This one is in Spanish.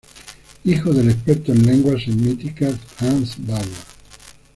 Hijo del experto en lenguas semíticas Hans Bauer.